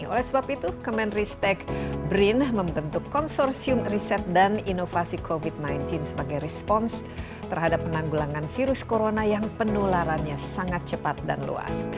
oleh sebab itu kemenristek brin membentuk konsorsium riset dan inovasi covid sembilan belas sebagai respons terhadap penanggulangan virus corona yang penularannya sangat cepat dan luas